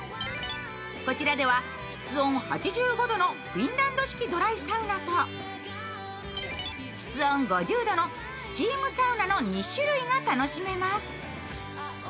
こちらには室温８２度のフィンランド式ドライサウナと室温５０度のスチームサウナの２種類が楽しめます。